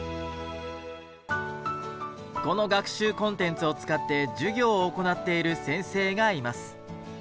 この学習コンテンツを使って授業を行っている先生がいます。